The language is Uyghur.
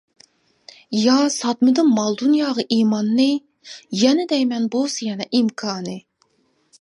يا ساتمىدىم مال-دۇنياغا ئىماننى، يەنە دەيمەن بولسا يەنە ئىمكانى.